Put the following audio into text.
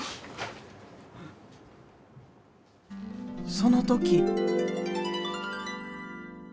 その時。